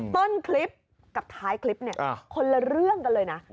ต้นคลิปกับท้ายคลิปเนี่ยคนละเรื่องกันเลยนะ